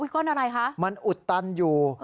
ก้อนอะไรคะมันอุดตันอยู่